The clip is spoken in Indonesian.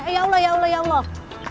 ya allah ya allah ya allah